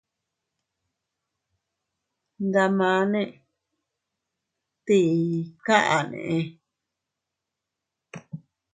Ndamane ¿tii kaʼane?